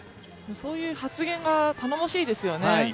そういう発言が頼もしいですよね。